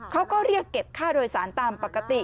เขาก็เรียกเก็บค่าโดยสารตามปกติ